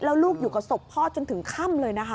แล้วลูกอยู่กับศพพ่อจนถึงค่ำเลยนะคะ